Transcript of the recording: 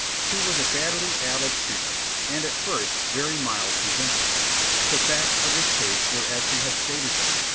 He was a badly addled creature, and, at first, very mild and gentle. The facts of his case were as he had stated them.